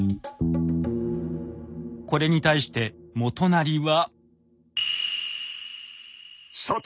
これに対して元就は。